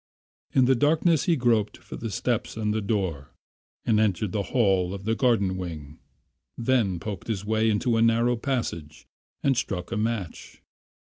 In the darkness he groped for the steps and the door and entered the hall of the garden wing, then poked his way into a narrow passage and struck a match.